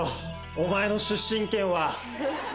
お前の出身県は。